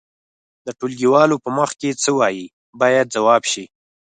د ټولګيوالو په مخ کې څه ووایئ باید ځواب شي.